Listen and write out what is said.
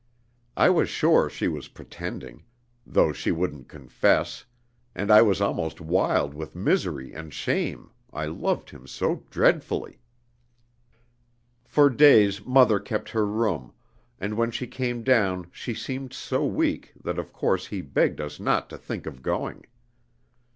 I was sure she was pretending, though she wouldn't confess, and I was almost wild with misery and shame, I loved him so dreadfully. "For days mother kept her room, and when she came down she seemed so weak, that of course he begged us not to think of going.